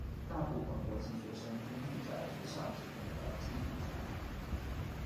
大部分国际学生均住在学校提供的寄住家庭。